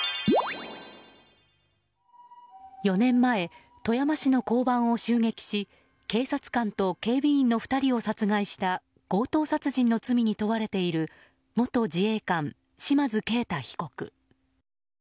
４年前、富山市の交番を襲撃し警察官と警備員の２人を殺害した強盗殺人の罪に問われている元自衛官、島津慧大被告。